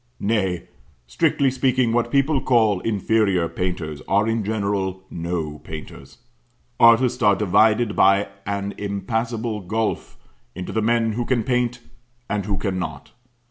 Nay, strictly speaking, what people call inferior painters are in general no painters. Artists are divided by an impassable gulf into the men who can paint, and who cannot.